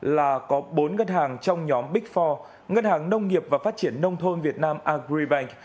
là có bốn ngân hàng trong nhóm big four ngân hàng nông nghiệp và phát triển nông thôn việt nam agribank